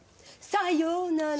さようなら！